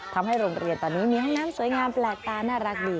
ทำให้โรงเรียนตอนนี้มีห้องน้ำสวยงามแปลกตาน่ารักดี